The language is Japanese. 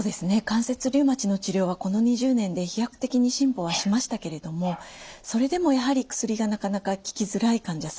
関節リウマチの治療はこの２０年で飛躍的に進歩はしましたけれどもそれでもやはり薬がなかなか効きづらい患者さん